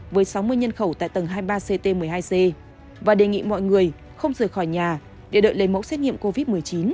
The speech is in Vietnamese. với sáu mươi nhân khẩu tại tầng hai mươi ba ct một mươi hai c và đề nghị mọi người không rời khỏi nhà để đợi lấy mẫu xét nghiệm covid một mươi chín